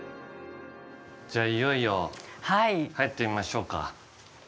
じゃあいよいよ入ってみましょうか。